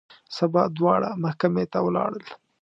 سبا دواړه محکمې ته ولاړل.